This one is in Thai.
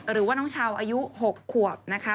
หรือว่าน้องชาวอายุ๖ขวบนะคะ